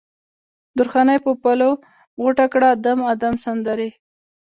درخانۍ په پلو غوټه کړه ادم، ادم سندرې